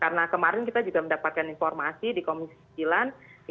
karena kemarin kita juga mendapatkan informasi di komisi pemerintah indonesia